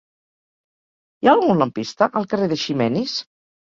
Hi ha algun lampista al carrer d'Eiximenis?